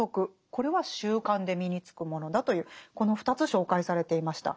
これは習慣で身につくものだというこの２つ紹介されていました。